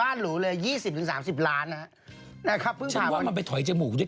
อาจจะทำก่อนจะเนี้ย